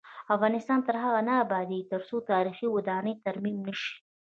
افغانستان تر هغو نه ابادیږي، ترڅو تاریخي ودانۍ ترمیم نشي.